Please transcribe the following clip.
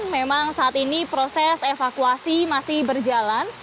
memang saat ini proses evakuasi masih berjalan